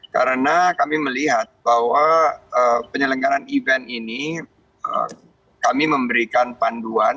karena kami melihat bahwa penyelenggaran event ini kami memberikan panduan